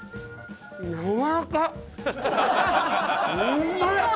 うんまい！